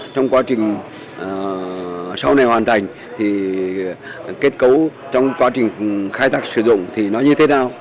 trong quá trình sau này hoàn thành thì kết cấu trong quá trình khai thác sử dụng thì nó như thế nào